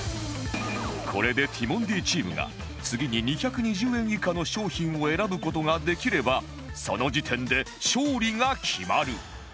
これでティモンディチームが次に２２０円以下の商品を選ぶ事ができればその時点で勝利が決まる